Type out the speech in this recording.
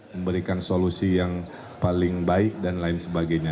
memberikan solusi yang paling baik dan lain sebagainya